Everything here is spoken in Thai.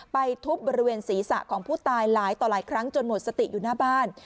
ทุบบริเวณศีรษะของผู้ตายหลายต่อหลายครั้งจนหมดสติอยู่หน้าบ้าน